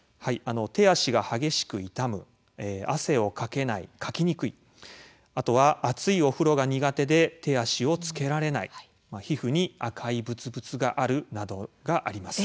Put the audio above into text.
手足が激しく痛む汗をかけない、かきにくい熱いお風呂が苦手で手足をつけられない皮膚に赤いぶつぶつがある、などがあります。